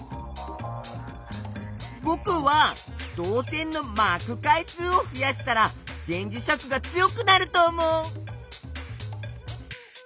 ぼくは導線の「まく回数」をふやしたら電磁石が強くなると思う！